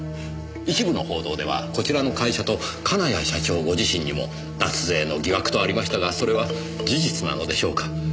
一部の報道ではこちらの会社と金谷社長ご自身にも脱税の疑惑とありましたがそれは事実なのでしょうか。